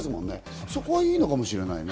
そこはいいかもしれないね。